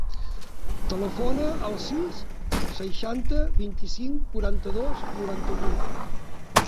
Telefona al sis, seixanta, vint-i-cinc, quaranta-dos, noranta-vuit.